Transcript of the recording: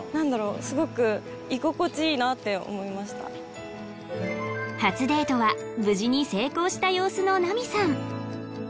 すごく初デートは無事に成功した様子のナミさん